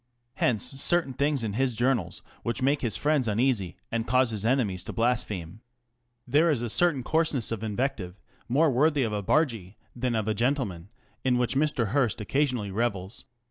Hence cer tain things in his journals which make his friends uneasy and cause his enemies to blaspheme. There is a certain coarseness of invective, more worthy of a bargee than of a gentleman, in which Mr. Hearst occasionally revels.